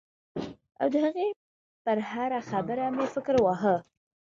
او د هغې پر هره خبره مې فکر واهه.